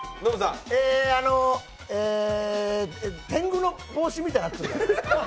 天狗の帽子みたいになっとるやないか。